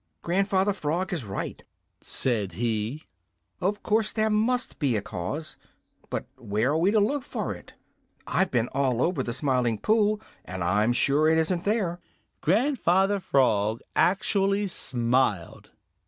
"Grandfather Frog is right," said he. "Of course there must be a cause, but where are we to look for it? I've been all over the Smiling Pool, and I'm sure it isn't there." Grandfather Frog actually smiled.